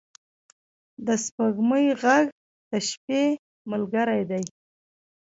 د سپوږمۍ ږغ د شپې ملګری دی.